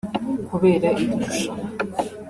Kubera iri rushanwa